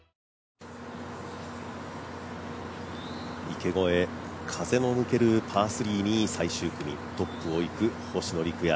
池越え風の抜けるパー３に最終組、トップをいく星野陸也。